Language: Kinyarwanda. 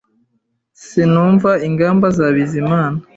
Sinumva ingamba za Bizimana